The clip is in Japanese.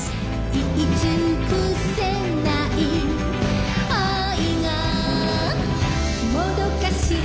「言いつくせない愛がもどかしいの」